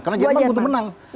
karena jerman butuh menang